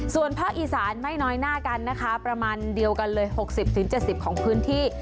ส่วนภาคอีสานไม่น้อยหน้ากันนะคะประมาณเดียวกันเลย๖๐๗๐ของพื้นที่